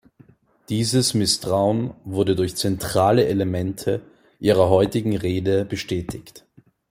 Dieses Misstrauen wurde durch zentrale Elemente Ihrer heutigen Rede bestätigt.